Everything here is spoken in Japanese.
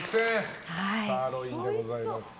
サーロインでございます。